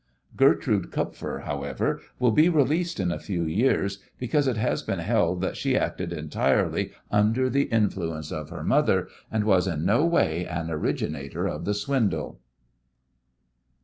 Gertrude Kupfer, however, will be released in a few years because it has been held that she acted entirely under the influence of her mother, and was in no way an originator of the swindle.